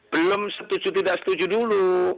belum setuju tidak setuju dulu